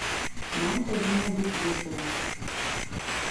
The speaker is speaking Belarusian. Нам павінна быць весела.